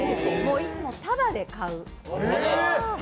いつも束で買う。